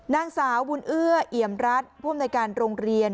นางสาวบุญเอื้อเอี่ยมรัฐผู้อำนวยการโรงเรียน